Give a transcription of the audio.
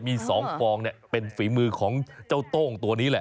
มี๒ฟองเป็นฝีมือของเจ้าโต้งตัวนี้แหละ